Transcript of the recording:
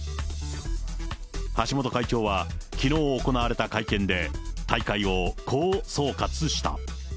橋本会長はきのう行われた会見で、大会をこう総括した。